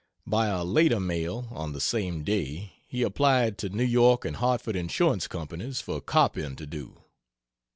By a later mail on the same day he applied to New York and Hartford insurance companies for copying to do.